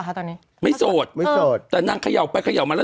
ครับตอนนี้ไม่สดไม่สดเออแต่นั่งขยาวไปขยาวมาแล้ว